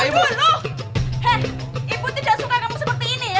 hei ibu tidak suka kamu seperti ini ya